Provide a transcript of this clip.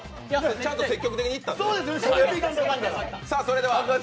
ちゃんと積極的にいったので。